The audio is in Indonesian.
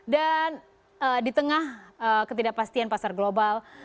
dan di tengah ketidakpastian pasar global